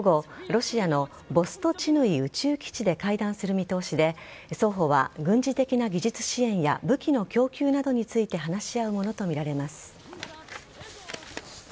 金総書記とプーチン大統領は午後ロシアのボストチヌイ宇宙基地で会談する見通しで双方は軍事的な技術支援や武器の供給などについて話し合うものとみられます。